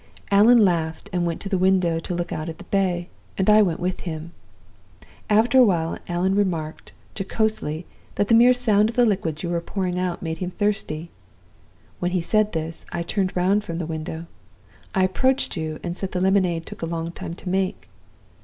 "'Allan laughed, and went to the window to look out at the Bay, and I went with him. After a while Allan remarked, jocosely, that the mere sound of the liquids you were pouring out made him thirsty. When he said this, I turned round from the window. I approached you, and said the lemonade took a long time to make.